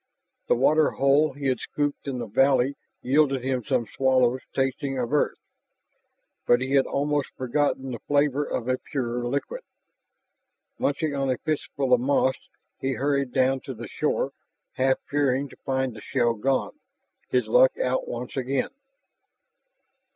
The water hole he had scooped in the valley yielded him some swallows tasting of earth, but he had almost forgotten the flavor of a purer liquid. Munching on a fistful of moss, he hurried down to the shore, half fearing to find the shell gone, his luck out once again.